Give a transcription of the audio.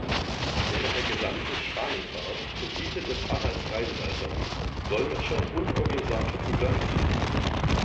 Während der gesamten Spanien-Fahrt fungierte der Pfarrer als Reiseleiter, Dolmetscher und Organisator zugleich.